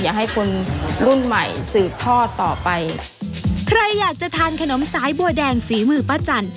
ให้คนรุ่นใหม่สืบทอดต่อไปใครอยากจะทานขนมสายบัวแดงฝีมือป้าจันท